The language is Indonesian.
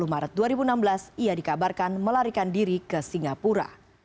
dua puluh maret dua ribu enam belas ia dikabarkan melarikan diri ke singapura